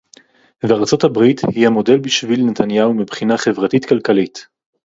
וארצות-הברית היא המודל בשביל נתניהו מבחינה חברתית-כלכלית